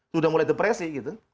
sudah mulai depresi gitu